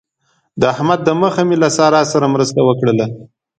د احمد د مخه مې له سارې سره هم مرسته وکړله.